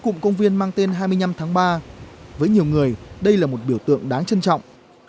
cụm công viên mang tên hai mươi năm tháng ba với nhiều người đây là một biểu tượng đáng trân trọng